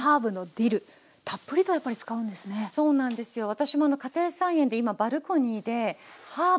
私も家庭菜園で今バルコニーでハーブ